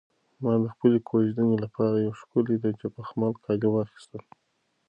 ما د خپلې کوژدنې لپاره یو ښکلی د بخمل کالي واخیستل.